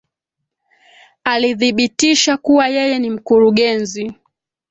Alidhibitisha kuwa yeye ni mkurugenzi